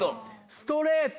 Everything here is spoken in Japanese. ストレート。